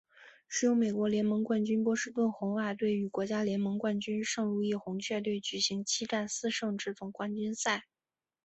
是由美国联盟冠军波士顿红袜队与国家联盟冠军圣路易红雀队举行七战四胜制总冠军赛。